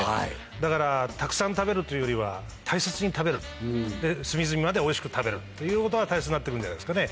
だからたくさん食べるというよりは大切に食べるで隅々までおいしく食べるということが大切になって来るんじゃないですかね。